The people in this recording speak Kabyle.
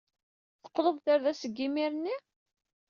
Teqqleḍ-d ɣer da seg yimir-nni?